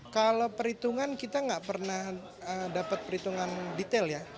kalau perhitungan kita nggak pernah dapat perhitungan detail ya